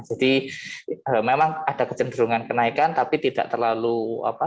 memang ada kecenderungan kenaikan tapi tidak terlalu apa